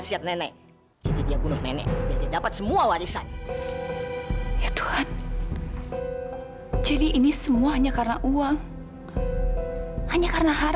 sampai jumpa di video selanjutnya